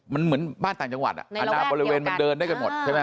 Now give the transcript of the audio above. มันเหมือนบ้านต่างจังหวัดอนาบริเวณมันเดินได้กันหมดใช่ไหม